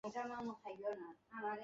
এরকম নাম আমাকেই সাজে।